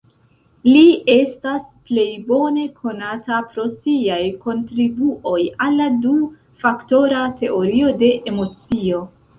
Li estas plej bone konata pro siaj kontribuoj al la du-faktora teorio de emocio.